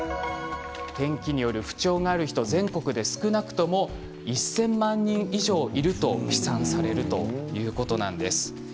天気による不調がある人は全国で少なくとも１０００万人以上いると試算されているそうです。